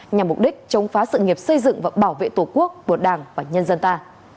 nhằm mục đích chống phá sự nghiệp xây dựng và bảo vệ tổ quốc của đảng và nhân dân ta